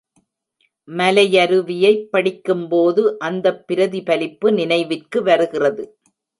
மலையருவியைப் படிக்கும்போது அந்தப் பிரதிபலிப்பு நினைவிற்கு வருகிறது.